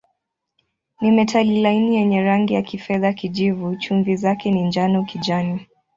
Ni metali laini yenye rangi ya kifedha-kijivu, chumvi zake ni njano-kijani.